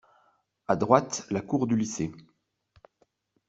A droite, la cour du lycée.